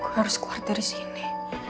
gue harus keluar dari sini